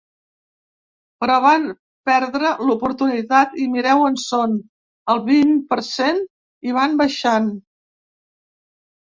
Però van perdre l’oportunitat i mireu on són: al vint per cent, i van baixant.